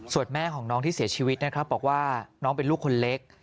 ส่วนแม่ของน้องที่เสียชีวิตนะครับบอกว่าน้องเป็นลูกคนเล็ก